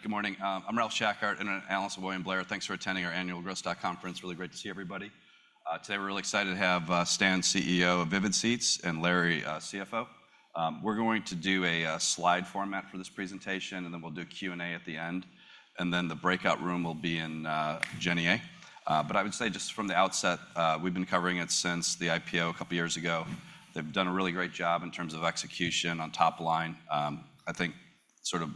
Good morning. I'm Ralph Schackart, analyst at William Blair. Thanks for attending our annual Growth Stock Conference. Really great to see everybody. Today we're really excited to have Stan, CEO of Vivid Seats, and Larry, CFO. We're going to do a slide format for this presentation, and then we'll do Q&A at the end, and then the breakout room will be in Jenner A. But I would say just from the outset, we've been covering it since the IPO a couple of years ago. They've done a really great job in terms of execution on top line. I think sort of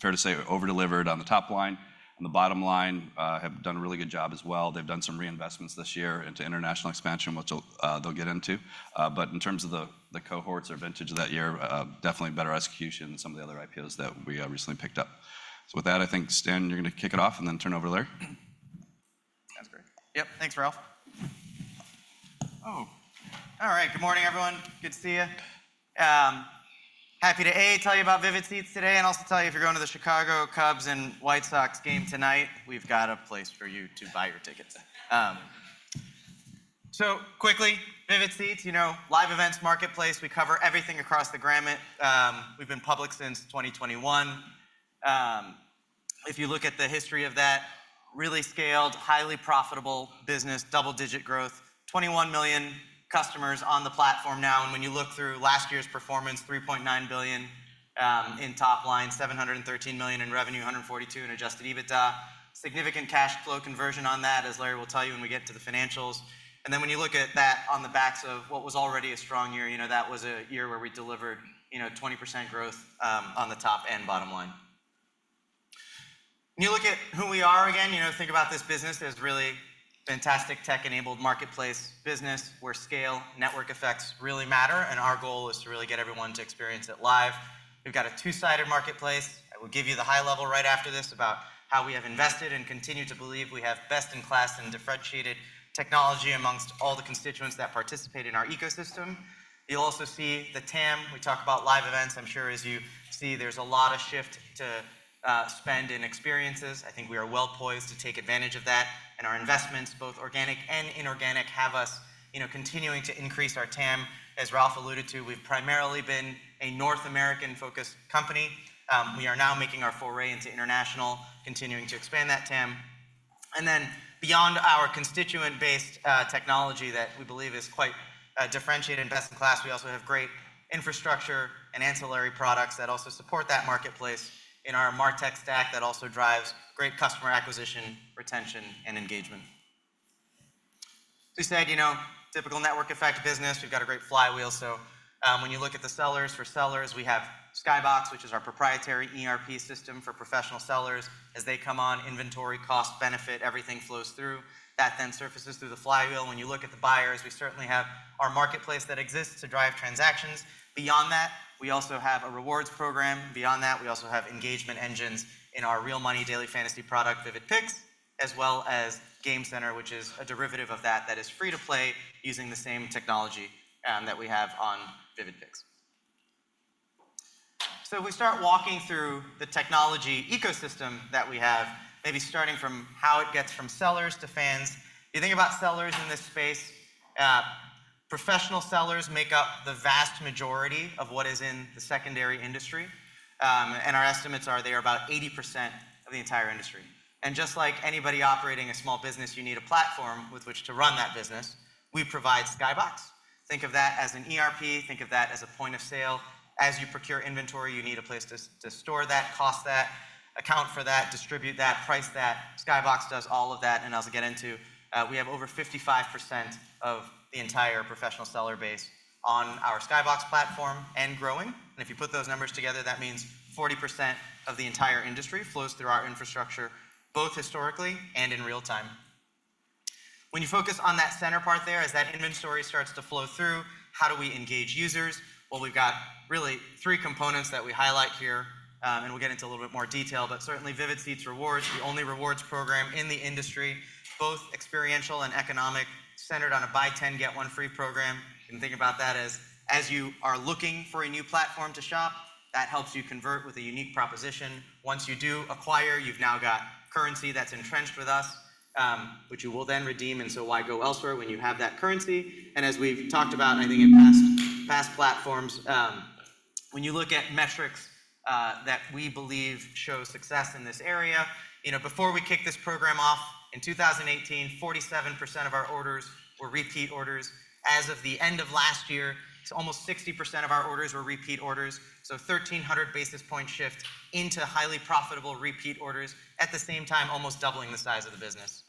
fair to say over-delivered on the top line, on the bottom line, have done a really good job as well. They've done some reinvestments this year into international expansion, which they'll they'll get into. But in terms of the cohorts or vintage of that year, definitely better execution than some of the other IPOs that we recently picked up. So with that, I think, Stan, you're gonna kick it off and then turn it over to Larry. Sounds great. Yep. Thanks, Ralph. Oh, all right. Good morning, everyone. Good to see you. Happy to, A, tell you about Vivid Seats today, and also tell you if you're going to the Chicago Cubs and White Sox game tonight, we've got a place for you to buy your tickets. So quickly, Vivid Seats, you know, live events, marketplace, we cover everything across the gamut. We've been public since 2021. If you look at the history of that, really scaled, highly profitable business, double-digit growth, 21 million customers on the platform now, and when you look through last year's performance, $3.9 billion in top line, $713 million in revenue, $142 million in Adjusted EBITDA. Significant cash flow conversion on that, as Larry will tell you when we get to the financials. And then when you look at that on the backs of what was already a strong year, you know, that was a year where we delivered, you know, 20% growth on the top and bottom line. When you look at who we are again, you know, think about this business, there's really fantastic tech-enabled marketplace business, where scale network effects really matter, and our goal is to really get everyone to experience it live. We've got a two-sided marketplace. I will give you the high level right after this about how we have invested and continue to believe we have best-in-class and differentiated technology amongst all the constituents that participate in our ecosystem. You'll also see the TAM. We talk about live events. I'm sure as you see, there's a lot of shift to spend in experiences. I think we are well poised to take advantage of that, and our investments, both organic and inorganic, have us, you know, continuing to increase our TAM. As Ralph alluded to, we've primarily been a North American-focused company. We are now making our foray into international, continuing to expand that TAM. And then beyond our constituent-based technology that we believe is quite differentiated and best in class, we also have great infrastructure and ancillary products that also support that marketplace in our MarTech stack that also drives great customer acquisition, retention, and engagement. We said, you know, typical network effect business, we've got a great flywheel. So, when you look at the sellers, for sellers, we have Skybox, which is our proprietary ERP system for professional sellers. As they come on, inventory, cost, benefit, everything flows through. That then surfaces through the flywheel. When you look at the buyers, we certainly have our marketplace that exists to drive transactions. Beyond that, we also have a rewards program. Beyond that, we also have engagement engines in our real money daily fantasy product, Vivid Picks, as well as Game Center, which is a derivative of that that is free to play using the same technology that we have on Vivid Picks. So we start walking through the technology ecosystem that we have, maybe starting from how it gets from sellers to fans. You think about sellers in this space, professional sellers make up the vast majority of what is in the secondary industry, and our estimates are they are about 80% of the entire industry. And just like anybody operating a small business, you need a platform with which to run that business. We provide Skybox. Think of that as an ERP, think of that as a point of sale. As you procure inventory, you need a place to store that, cost that, account for that, distribute that, price that. Skybox does all of that, and as I get into, we have over 55% of the entire professional seller base on our Skybox platform and growing. And if you put those numbers together, that means 40% of the entire industry flows through our infrastructure, both historically and in real time. When you focus on that center part there, as that inventory starts to flow through, how do we engage users? Well, we've got really three components that we highlight here, and we'll get into a little bit more detail, but certainly Vivid Seats Rewards, the only rewards program in the industry, both experiential and economic, centered on a buy 10, get one free program. You can think about that as, as you are looking for a new platform to shop, that helps you convert with a unique proposition. Once you do acquire, you've now got currency that's entrenched with us, which you will then redeem, and so why go elsewhere when you have that currency? And as we've talked about, I think in past, past platforms, when you look at metrics, that we believe show success in this area, you know, before we kicked this program off in 2018, 47% of our orders were repeat orders. As of the end of last year, almost 60% of our orders were repeat orders, so 1,300 basis point shift into highly profitable repeat orders, at the same time, almost doubling the size of the business.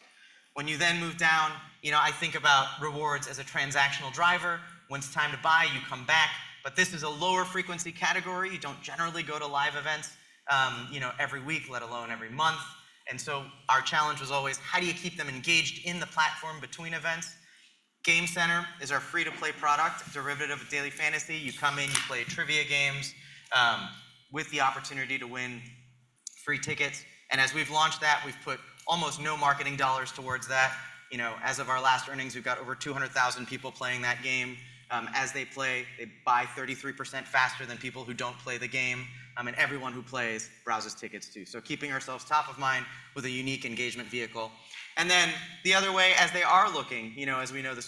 When you then move down, you know, I think about rewards as a transactional driver. Once it's time to buy, you come back, but this is a lower frequency category. You don't generally go to live events, you know, every week, let alone every month. And so our challenge was always: how do you keep them engaged in the platform between events? Game Center is our free-to-play product, derivative of daily fantasy. You come in, you play trivia games, with the opportunity to win free tickets. And as we've launched that, we've put almost no marketing dollars towards that. You know, as of our last earnings, we've got over 200,000 people playing that game. As they play, they buy 33% faster than people who don't play the game, and everyone who plays browses tickets, too. So keeping ourselves top of mind with a unique engagement vehicle. And then the other way, as they are looking, you know, as we know, the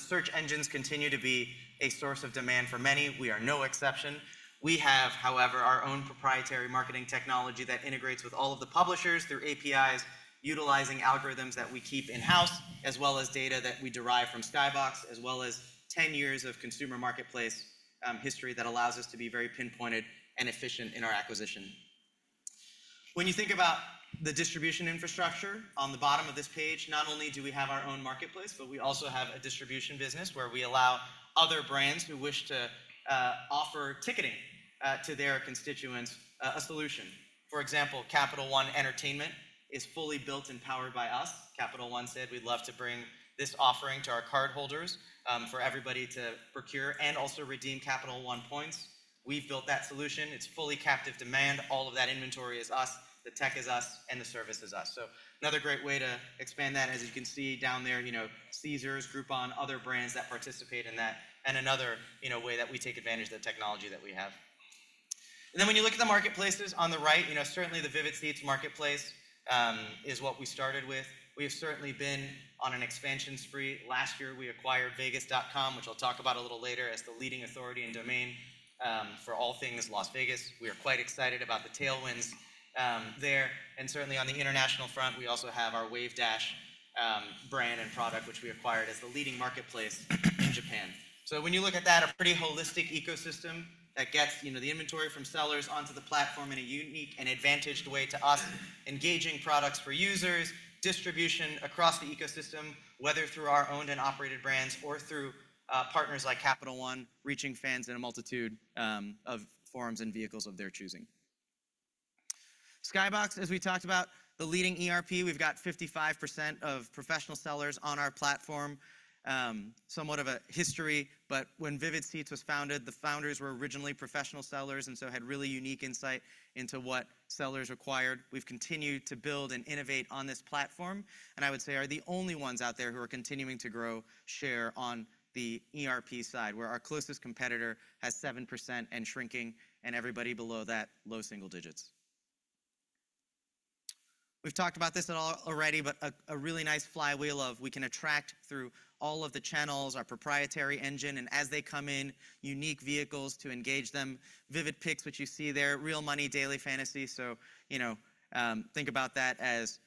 search engines continue to be a source of demand for many. We are no exception. We have, however, our own proprietary marketing technology that integrates with all of the publishers through APIs, utilizing algorithms that we keep in-house, as well as data that we derive from Skybox, as well as 10 years of consumer marketplace history that allows us to be very pinpointed and efficient in our acquisition. When you think about the distribution infrastructure, on the bottom of this page, not only do we have our own marketplace, but we also have a distribution business where we allow other brands who wish to offer ticketing to their constituents a solution. For example, Capital One Entertainment is fully built and powered by us. Capital One said: "We'd love to bring this offering to our cardholders, for everybody to procure and also redeem Capital One points." We've built that solution. It's fully captive demand. All of that inventory is us, the tech is us, and the service is us. So another great way to expand that, as you can see down there, you know, Caesars, Groupon, other brands that participate in that, and another, you know, way that we take advantage of the technology that we have. And then when you look at the marketplaces on the right, you know, certainly the Vivid Seats marketplace is what we started with. We've certainly been on an expansion spree. Last year, we acquired Vegas.com, which I'll talk about a little later, as the leading authority and domain for all things Las Vegas. We are quite excited about the tailwinds there. And certainly on the international front, we also have our Wavedash brand and product, which we acquired as the leading marketplace in Japan. So when you look at that, a pretty holistic ecosystem that gets, you know, the inventory from sellers onto the platform in a unique and advantaged way to us, engaging products for users, distribution across the ecosystem, whether through our owned and operated brands or through partners like Capital One, reaching fans in a multitude of forums and vehicles of their choosing. Skybox, as we talked about, the leading ERP, we've got 55% of professional sellers on our platform. Somewhat of a history, but when Vivid Seats was founded, the founders were originally professional sellers and so had really unique insight into what sellers required. We've continued to build and innovate on this platform, and I would say are the only ones out there who are continuing to grow share on the ERP side, where our closest competitor has 7% and shrinking, and everybody below that, low single digits. We've talked about this at all already, but a really nice flywheel of we can attract through all of the channels, our proprietary engine, and as they come in, unique vehicles to engage them. Vivid Picks, which you see there, Real Money daily fantasy. So, you know, think about that as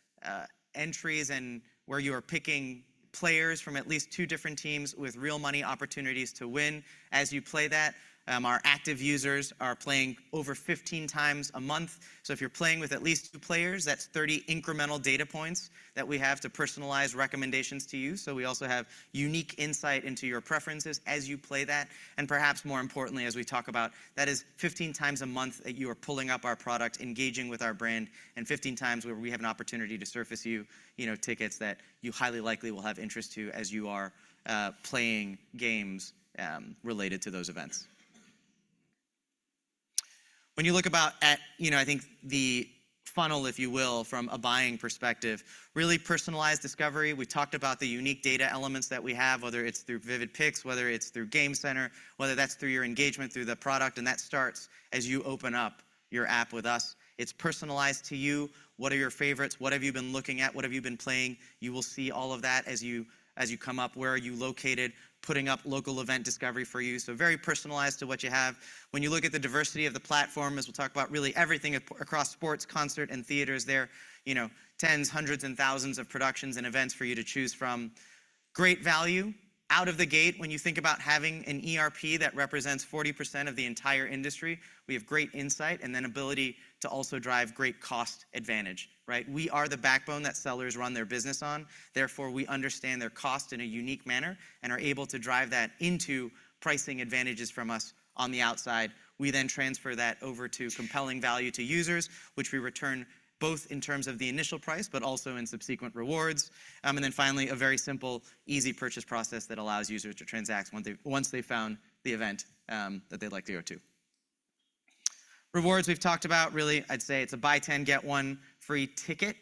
entries and where you are picking players from at least two different teams with real money opportunities to win. As you play that, our active users are playing over 15 times a month. So if you're playing with at least two players, that's 30 incremental data points that we have to personalize recommendations to you. So we also have unique insight into your preferences as you play that, and perhaps more importantly, as we talk about, that is 15x a month that you are pulling up our product, engaging with our brand, and 15x where we have an opportunity to surface you, you know, tickets that you highly likely will have interest to as you are playing games related to those events. When you look about at, you know, I think the funnel, if you will, from a buying perspective, really personalized discovery. We talked about the unique data elements that we have, whether it's through Vivid Picks, whether it's through Game Center, whether that's through your engagement through the product, and that starts as you open up your app with us. It's personalized to you. What are your favorites? What have you been looking at? What have you been playing? You will see all of that as you, as you come up. Where are you located? Putting up local event discovery for you, so very personalized to what you have. When you look at the diversity of the platform, as we'll talk about, really everything across sports, concerts, and theaters, there are, you know, tens, hundreds, and thousands of productions and events for you to choose from. Great value out of the gate. When you think about having an ERP that represents 40% of the entire industry, we have great insight and then ability to also drive great cost advantage, right? We are the backbone that sellers run their business on, therefore, we understand their cost in a unique manner and are able to drive that into pricing advantages from us on the outside. We then transfer that over to compelling value to users, which we return both in terms of the initial price, but also in subsequent rewards. And then finally, a very simple, easy purchase process that allows users to transact once they've found the event that they'd like to go to. Rewards, we've talked about. Really, I'd say it's a buy 10, get one free ticket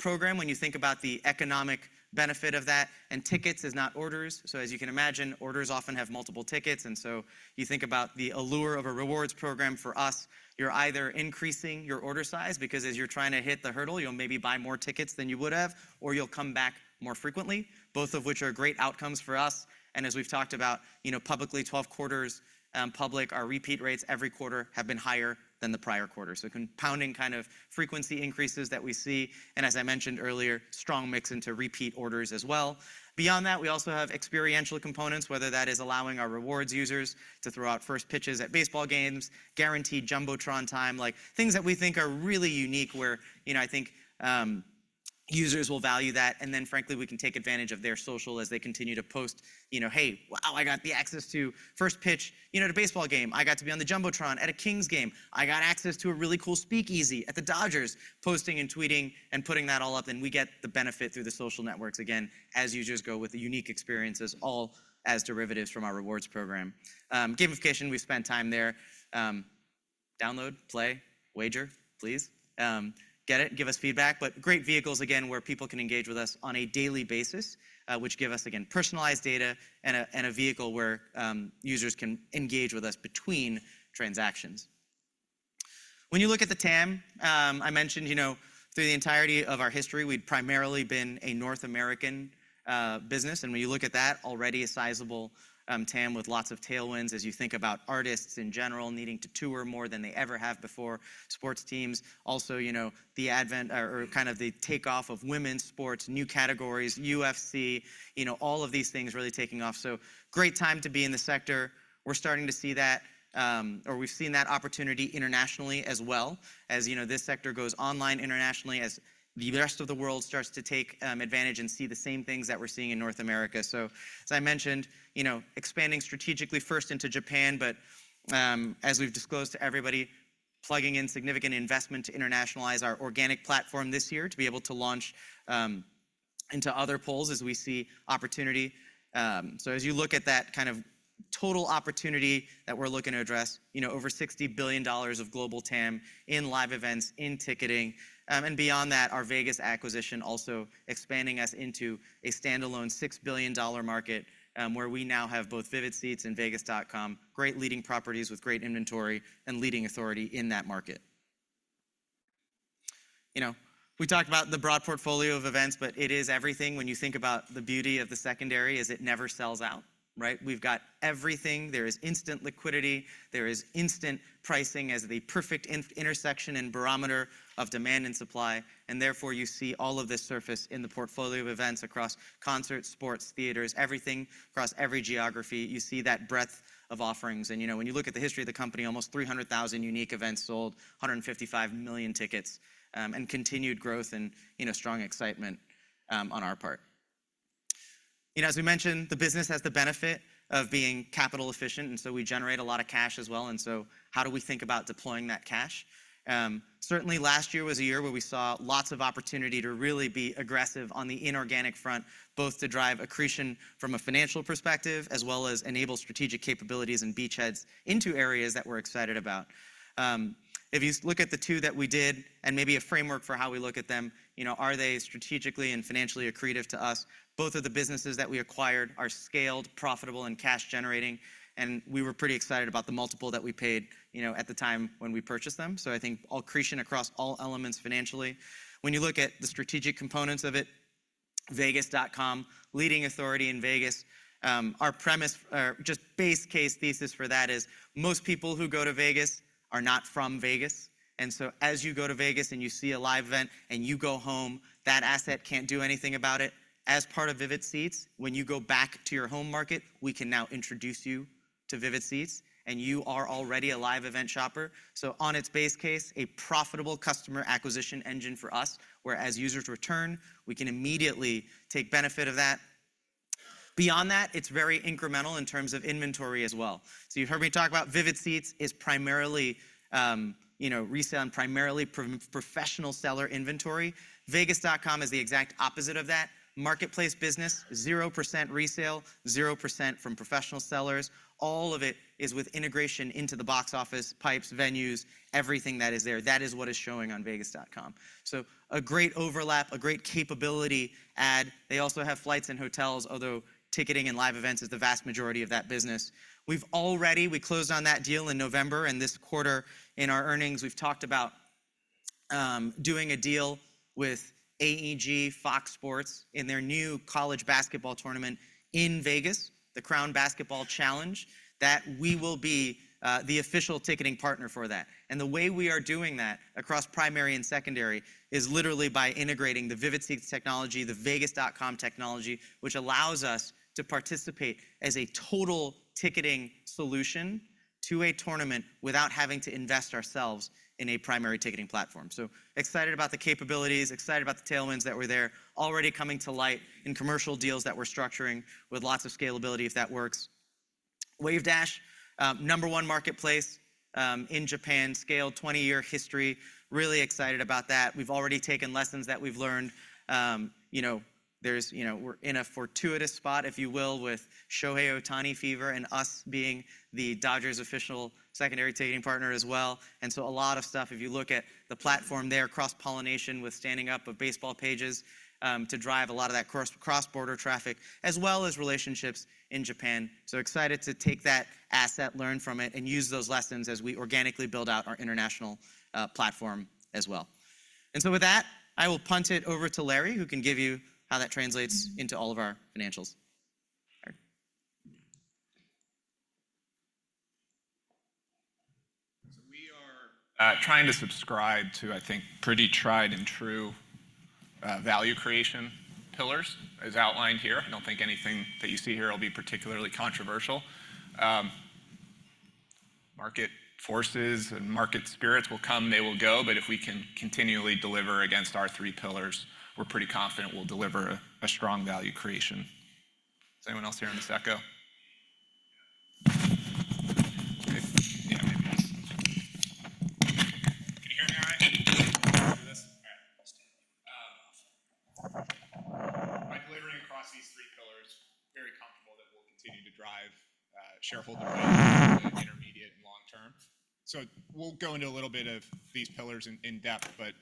program when you think about the economic benefit of that, and tickets is not orders. So as you can imagine, orders often have multiple tickets, and so you think about the allure of a rewards program for us, you're either increasing your order size because as you're trying to hit the hurdle, you'll maybe buy more tickets than you would have, or you'll come back more frequently, both of which are great outcomes for us. And as we've talked about, you know, publicly, 12 quarters, our repeat rates every quarter have been higher than the prior quarter. So compounding kind of frequency increases that we see, and as I mentioned earlier, strong mix into repeat orders as well. Beyond that, we also have experiential components, whether that is allowing our rewards users to throw out first pitches at baseball games, guaranteed jumbotron time, like, things that we think are really unique where, you know, I think, users will value that. And then frankly, we can take advantage of their social as they continue to post, you know, "Hey, wow, I got the access to first pitch, you know, at a baseball game. I got to be on the jumbotron at a Kings game. I got access to a really cool speakeasy at the Dodgers," posting and tweeting and putting that all up, and we get the benefit through the social networks again, as users go with the unique experiences, all as derivatives from our rewards program. Gamification, we've spent time there. Download, play, wager, please. Get it, give us feedback. But great vehicles, again, where people can engage with us on a daily basis, which give us, again, personalized data and a, and a vehicle where, users can engage with us between transactions. When you look at the TAM, I mentioned, you know, through the entirety of our history, we'd primarily been a North American business. And when you look at that, already a sizable TAM with lots of tailwinds as you think about artists in general needing to tour more than they ever have before. Sports teams also, you know, the advent or kind of the takeoff of women's sports, new categories, UFC, you know, all of these things really taking off, so great time to be in the sector. We're starting to see that, or we've seen that opportunity internationally as well, as, you know, this sector goes online internationally, as the rest of the world starts to take advantage and see the same things that we're seeing in North America. So, as I mentioned, you know, expanding strategically first into Japan, but, as we've disclosed to everybody, plugging in significant investment to internationalize our organic platform this year to be able to launch into other polls as we see opportunity. So as you look at that kind of total opportunity that we're looking to address, you know, over $60 billion of global TAM in live events, in ticketing, and beyond that, our Vegas acquisition also expanding us into a standalone $6 billion market, where we now have both Vivid Seats and Vegas.com, great leading properties with great inventory and leading authority in that market. You know, we talked about the broad portfolio of events, but it is everything. When you think about the beauty of the secondary, is it never sells out, right? We've got everything. There is instant liquidity. There is instant pricing as the perfect intersection and barometer of demand and supply, and therefore, you see all of this surface in the portfolio of events across concerts, sports, theaters, everything across every geography. You see that breadth of offerings, and, you know, when you look at the history of the company, almost 300,000 unique events sold, 155 million tickets, and continued growth and, you know, strong excitement on our part. You know, as we mentioned, the business has the benefit of being capital efficient, and so we generate a lot of cash as well, and so how do we think about deploying that cash? Certainly last year was a year where we saw lots of opportunity to really be aggressive on the inorganic front, both to drive accretion from a financial perspective, as well as enable strategic capabilities and beachheads into areas that we're excited about. If you look at the two that we did and maybe a framework for how we look at them, you know, are they strategically and financially accretive to us? Both of the businesses that we acquired are scaled, profitable, and cash generating, and we were pretty excited about the multiple that we paid, you know, at the time when we purchased them, so I think accretion across all elements financially. When you look at the strategic components of it, Vegas.com, leading authority in Las Vegas, our premise or just base case thesis for that is most people who go to Vegas are not from Vegas. As you go to Vegas and you see a live event, and you go home, that asset can't do anything about it. As part of Vivid Seats, when you go back to your home market, we can now introduce you to Vivid Seats, and you are already a live event shopper. So on its base case, a profitable customer acquisition engine for us, where as users return, we can immediately take benefit of that. Beyond that, it's very incremental in terms of inventory as well. So you've heard me talk about Vivid Seats is primarily, you know, resale and primarily professional seller inventory. Vegas.com is the exact opposite of that. Marketplace business, 0% resale, 0% from professional sellers. All of it is with integration into the box office, pipes, venues, everything that is there. That is what is showing on Vegas.com. So a great overlap, a great capability add. They also have flights and hotels, although ticketing and live events is the vast majority of that business. We've already closed on that deal in November, and this quarter, in our earnings, we've talked about doing a deal with AEG Fox Sports in their new college basketball tournament in Vegas, the Crown Basketball Challenge, that we will be the official ticketing partner for that. And the way we are doing that across primary and secondary is literally by integrating the Vivid Seats technology, the Vegas.com technology, which allows us to participate as a total ticketing solution to a tournament without having to invest ourselves in a primary ticketing platform. So excited about the capabilities, excited about the tailwinds that were there, already coming to light in commercial deals that we're structuring with lots of scalability, if that works. Wavedash, number one marketplace, in Japan, scale, 20 year history, really excited about that. We've already taken lessons that we've learned. You know, there's, you know, we're in a fortuitous spot, if you will, with Shohei Ohtani fever and us being the Dodgers' official secondary ticketing partner as well. And so a lot of stuff, if you look at the platform there, cross-pollination with standing up of baseball pages, to drive a lot of that cross, cross-border traffic, as well as relationships in Japan. So excited to take that asset, learn from it, and use those lessons as we organically build out our international platform as well. And so with that, I will punt it over to Larry, who can give you how that translates into all of our financials. Larry? So we are trying to subscribe to, I think, pretty tried and true value creation pillars, as outlined here. I don't think anything that you see here will be particularly controversial. Market forces and market spirits will come, they will go, but if we can continually deliver against our three pillars, we're pretty confident we'll deliver a strong value creation. Does anyone else hear an echo? Yeah, maybe yes. Can you hear me all right? Do this. All right. I'll stand. By delivering across these three pillars, very comfortable that we'll continue to drive shareholder value in the intermediate and long term. So we'll go into a little bit of these pillars in depth, but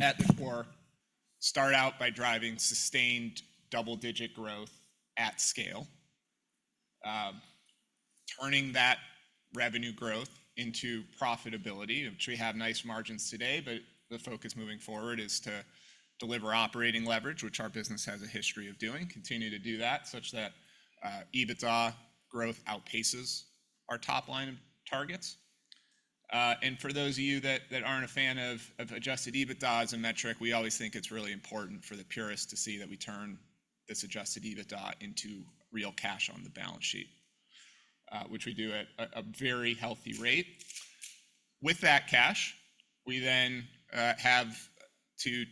at the core, start out by driving sustained double-digit growth at scale. Turning that revenue growth into profitability, which we have nice margins today, but the focus moving forward is to deliver operating leverage, which our business has a history of doing. Continue to do that, such that EBITDA growth outpaces our top-line targets. And for those of you that aren't a fan of adjusted EBITDA as a metric, we always think it's really important for the purists to see that we turn this adjusted EBITDA into real cash on the balance sheet, which we do at a very healthy rate. With that cash, we then have to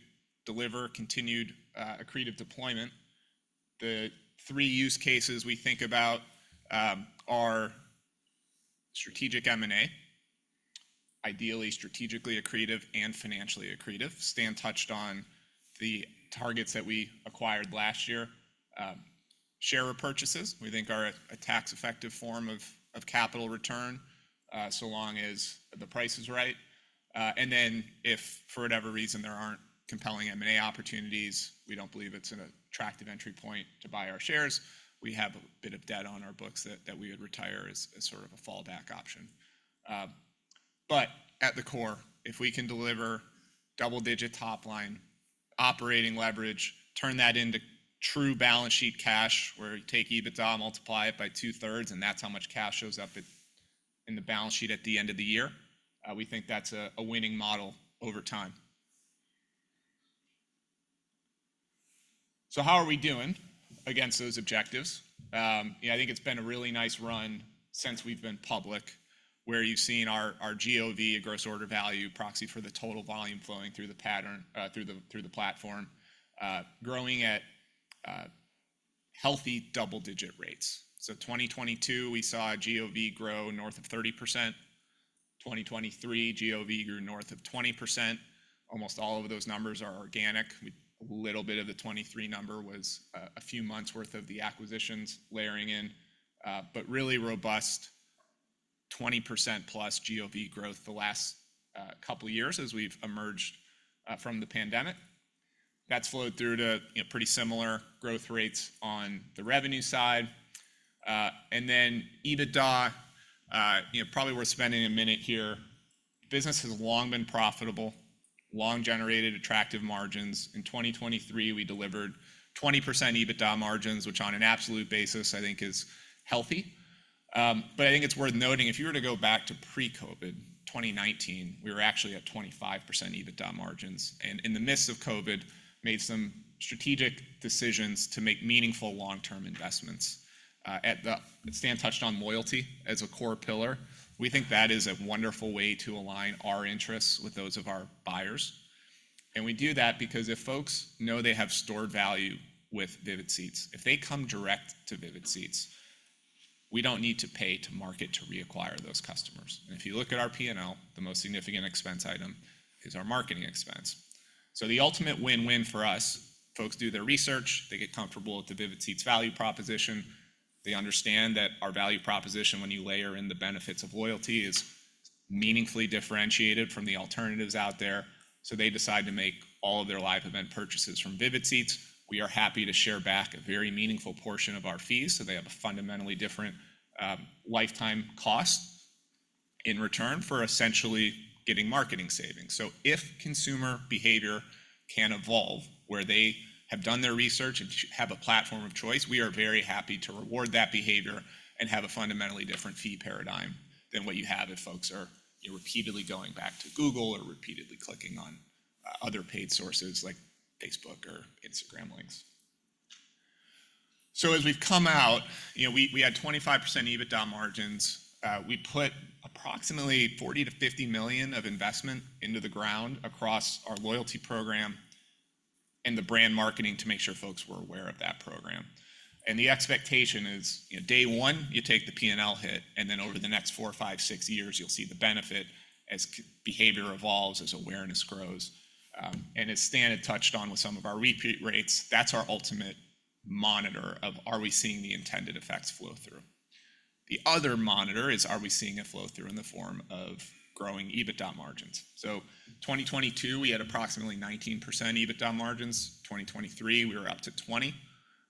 deliver continued accretive deployment. The three use cases we think about are strategic M&A, ideally strategically accretive and financially accretive. Stan touched on the targets that we acquired last year. Share repurchases, we think are a tax-effective form of capital return, so long as the price is right. And then if for whatever reason, there aren't compelling M&A opportunities, we don't believe it's an attractive entry point to buy our shares, we have a bit of debt on our books that we would retire as sort of a fallback option. But at the core, if we can deliver double-digit top line, operating leverage, turn that into true balance sheet cash, where you take EBITDA, multiply it by two-thirds, and that's how much cash shows up at in the balance sheet at the end of the year, we think that's a winning model over time. So how are we doing against those objectives? Yeah, I think it's been a really nice run since we've been public, where you've seen our GOV, our gross order value, proxy for the total volume flowing through the platform, growing at healthy double-digit rates. So 2022, we saw GOV grow north of 30%. 2023, GOV grew north of 20%. Almost all of those numbers are organic. A little bit of the 2023 number was a few months' worth of the acquisitions layering in, but really robust 20%+ GOV growth the last couple of years as we've emerged from the pandemic. That's flowed through to, you know, pretty similar growth rates on the revenue side. And then EBITDA, you know, probably worth spending a minute here. Business has long been profitable, long generated attractive margins. In 2023, we delivered 20% EBITDA margins, which on an absolute basis, I think is healthy. But I think it's worth noting, if you were to go back to pre-COVID, 2019, we were actually at 25% EBITDA margins, and in the midst of COVID, made some strategic decisions to make meaningful long-term investments. Stan touched on loyalty as a core pillar. We think that is a wonderful way to align our interests with those of our buyers. And we do that because if folks know they have stored value with Vivid Seats, if they come direct to Vivid Seats, we don't need to pay to market to reacquire those customers. And if you look at our PNL, the most significant expense item is our marketing expense. So the ultimate win-win for us, folks do their research, they get comfortable with the Vivid Seats value proposition. They understand that our value proposition, when you layer in the benefits of loyalty, is meaningfully differentiated from the alternatives out there. So they decide to make all of their live event purchases from Vivid Seats. We are happy to share back a very meaningful portion of our fees, so they have a fundamentally different, lifetime cost in return for essentially getting marketing savings. So if consumer behavior can evolve where they have done their research and have a platform of choice, we are very happy to reward that behavior and have a fundamentally different fee paradigm than what you have if folks are repeatedly going back to Google or repeatedly clicking on, other paid sources like Facebook or Instagram links. So as we've come out, you know, we had 25% EBITDA margins. We put approximately $40 million-$50 million of investment into the ground across our loyalty program and the brand marketing to make sure folks were aware of that program. And the expectation is, you know, day one, you take the P&L hit, and then over the next four, five, six years, you'll see the benefit as customer behavior evolves, as awareness grows. And as Stan had touched on with some of our repeat rates, that's our ultimate monitor of are we seeing the intended effects flow through? The other monitor is, are we seeing a flow through in the form of growing EBITDA margins? So 2022, we had approximately 19% EBITDA margins. 2023, we were up to 20.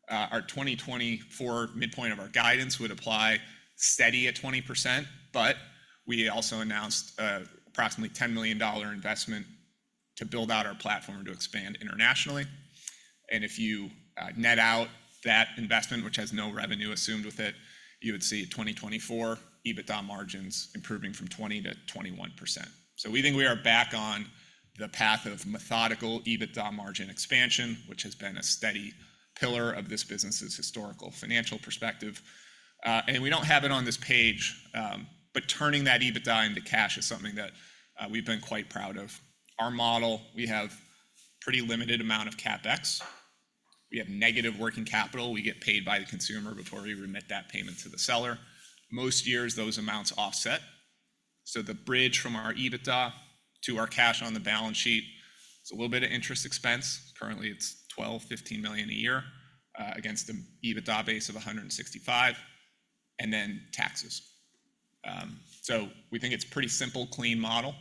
Our 2024 midpoint of our guidance would apply steady at 20%, but we also announced approximately $10 million investment to build out our platform to expand internationally. And if you net out that investment, which has no revenue assumed with it, you would see 2024 EBITDA margins improving from 20%-21%. So we think we are back on the path of methodical EBITDA margin expansion, which has been a steady pillar of this business's historical financial perspective. And we don't have it on this page, but turning that EBITDA into cash is something that we've been quite proud of. Our model, we have pretty limited amount of CapEx. We have negative working capital. We get paid by the consumer before we remit that payment to the seller. Most years, those amounts offset. The bridge from our EBITDA to our cash on the balance sheet is a little bit of interest expense. Currently, it's $12 million-$15 million a year against the EBITDA base of $165 million, and then taxes. So we think it's pretty simple, clean model.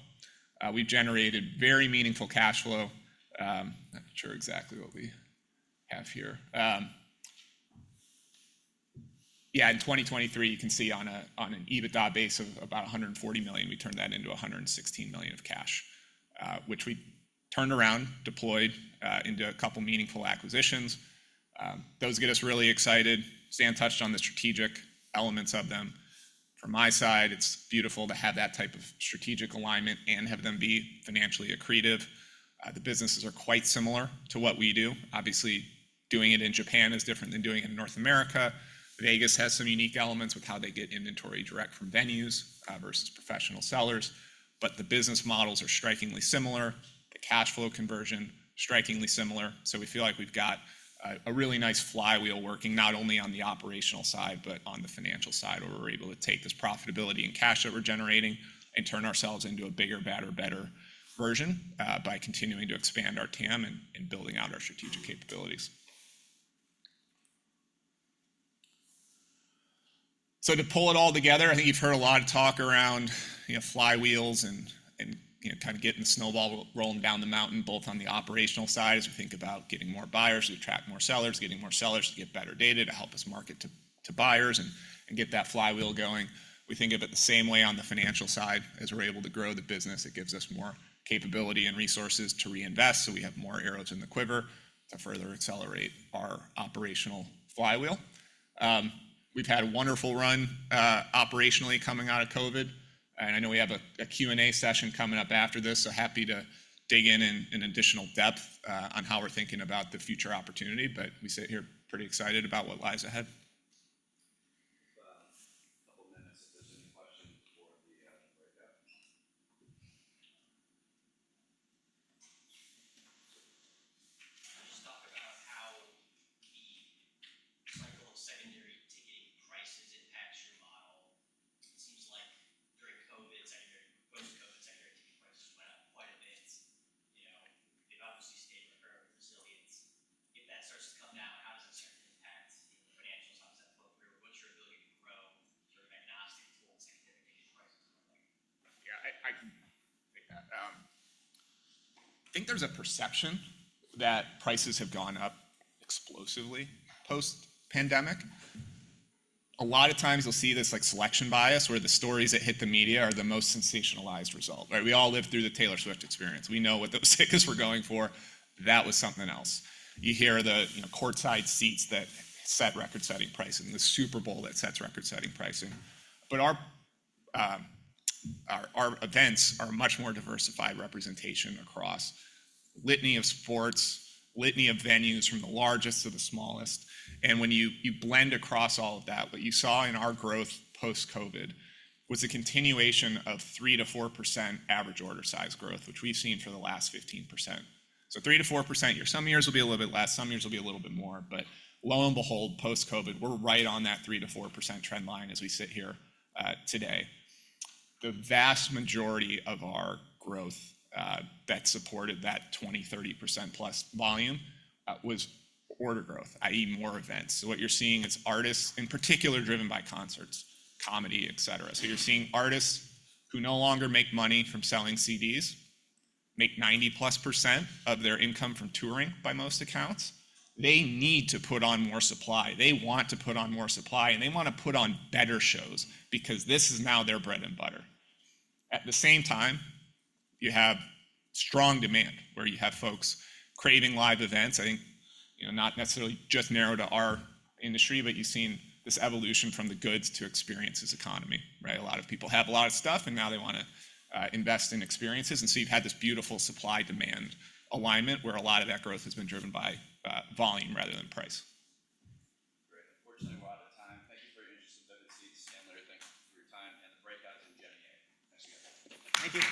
We've generated very meaningful cash flow. I'm not sure exactly what we have here. Yeah, in 2023, you can see on an EBITDA base of about $140 million, we turned that into $116 million of cash, which we turned around, deployed into a couple meaningful acquisitions. Those get us really excited. Stan touched on the strategic elements of them. From my side, it's beautiful to have that type of strategic alignment and have them be financially accretive. The businesses are quite similar to what we do. Obviously, doing it in Japan is different than doing it in North America. Vegas has some unique elements with how they get inventory direct from venues, versus professional sellers, but the business models are strikingly similar. The cash flow conversion, strikingly similar. So we feel like we've got a really nice flywheel working, not only on the operational side, but on the financial side, where we're able to take this profitability and cash that we're generating and turn ourselves into a bigger, better, better version, by continuing to expand our TAM and, and building out our strategic capabilities. So to pull it all together, I think you've heard a lot of talk around, you know, flywheels and, you know, kind of getting the snowball rolling down the mountain, both on the operational side, as we think about getting more buyers to attract more sellers, getting more sellers to get better data to help us market to buyers and get that flywheel going. We think of it the same way on the financial side. As we're able to grow the business, it gives us more capability and resources to reinvest, so we have more arrows in the quiver to further accelerate our operational flywheel. We've had a wonderful run operationally coming out of COVID, and I know we have a Q&A session coming up after this, so happy to dig in additional depth on how we're thinking about the future opportunity. But we sit here pretty excited about what lies ahead. litany of sports, litany of venues from the largest to the smallest, and when you blend across all of that, what you saw in our growth post-COVID was a continuation of 3%-4% average order size growth, which we've seen for the last 15%. So 3%-4% year. Some years will be a little bit less, some years will be a little bit more, but lo and behold, post-COVID, we're right on that 3%-4% trend line as we sit here, today. The vast majority of our growth, that supported that 20-30%+ volume, was order growth, i.e., more events. So what you're seeing is artists, in particular, driven by concerts, comedy, et cetera. So you're seeing artists who no longer make money from selling CDs make 90%+ of their income from touring, by most accounts. They need to put on more supply. They want to put on more supply, and they want to put on better shows because this is now their bread and butter. At the same time, you have strong demand, where you have folks craving live events. I think, you know, not necessarily just narrow to our industry, but you've seen this evolution from the goods to experiences economy, right? A lot of people have a lot of stuff, and now they wanna invest in experiences, and so you've had this beautiful supply-demand alignment, where a lot of that growth has been driven by volume rather than price. Great. Unfortunately, we're out of time. Thank you for your interest in StubHub seats. Stan Chia, thank you for your time, and the breakout is in Jenner A. Thanks again. Thank you.